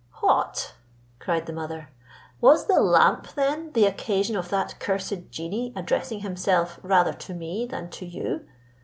"What!" cried the mother, "was your lamp then the occasion of that cursed genie addressing himself rather to me than to you?"